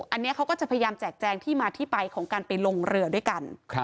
อันนี้เขาก็จะพยายามแจกแจงที่มาที่ไปของการไปลงเรือด้วยกัน